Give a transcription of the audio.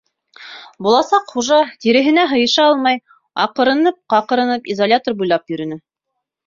«Буласаҡ хужа», тиреһенә һыйыша алмай аҡырынып, ҡаҡырынып, изолятор буйлап йөрөнө.